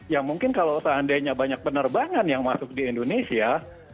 ya mungkin kalau seandainya banyak penerbangan yang masuk di indonesia